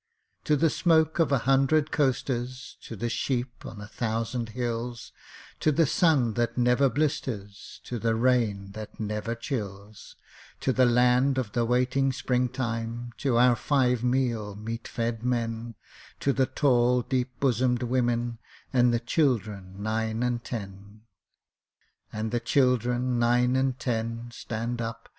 _ To the smoke of a hundred coasters, To the sheep on a thousand hills, To the sun that never blisters, To the rain that never chills To the land of the waiting spring time, To our five meal, meat fed men, To the tall, deep bosomed women, And the children nine and ten! _And the children nine and ten (Stand up!)